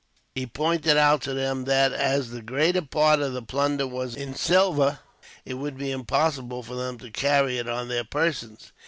He pointed out to them that, as the greater part of the plunder was in silver, it would be impossible for them to carry it on their persons.